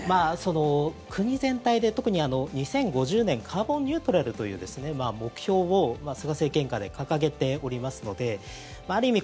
国全体で特に２０５０年カーボンニュートラルという目標を菅政権下で掲げておりますのである意味